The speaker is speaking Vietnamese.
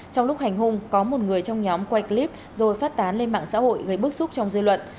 trong lúc hành hung có một người trong nhóm quay clip rồi phát tán lên mạng xã hội gây bức xúc trong dư luận